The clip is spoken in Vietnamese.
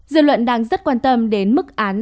dự luận đang rất quan tâm đến mức án